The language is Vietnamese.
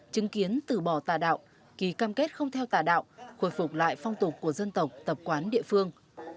chứng kiến tử bỏ tà đạo ký cam kết không theo tà đạo khôi phục lại phong tục của dân tộc tập quán địa phương